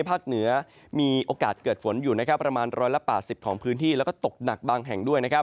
ภาคเหนือมีโอกาสเกิดฝนอยู่ประมาณ๑๘๐ของพื้นที่แล้วก็ตกหนักบางแห่งด้วย